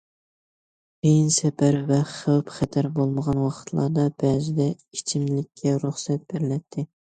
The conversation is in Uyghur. قىيىن سەپەر ۋە خەۋپ- خەتەر بولمىغان ۋاقىتلاردا بەزىدە ئىچىملىككە رۇخسەت بېرىلەتتى.